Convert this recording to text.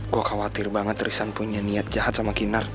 gue khawatir banget risan punya niat jahat sama kinar